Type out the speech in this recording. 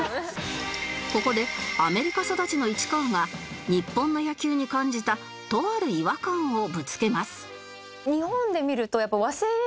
ここでアメリカ育ちの市川が日本の野球に感じたとある違和感をぶつけます